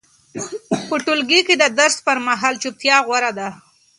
په ټولګي کې د درس پر مهال چوپتیا غوره ده.